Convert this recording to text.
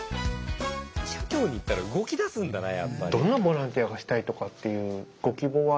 社協に行ったら動きだすんだなやっぱり。